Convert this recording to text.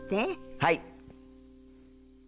はい。